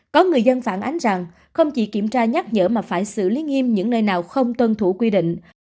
có người dân phản ánh rằng không chỉ kiểm tra nhắc nhở mà phải xử lý nghiêm những nơi nào không tuân thủ quy định